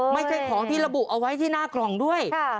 ไม่ใช่ของที่ระบุเอาไว้ที่หน้ากล่องด้วย